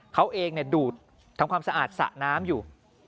เขาเองดูดทำความสะอาดสระน้ำอยู่